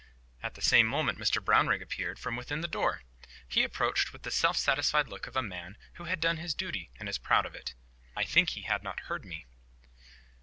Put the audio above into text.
At the same moment Mr Brownrigg appeared from within the door. He approached with the self satisfied look of a man who has done his duty, and is proud of it. I think he had not heard me.